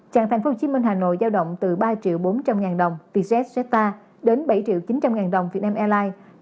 trạng tp hcm hà nội giao động từ ba bốn trăm linh đồng từ zzt đến bảy chín trăm linh đồng việt nam airlines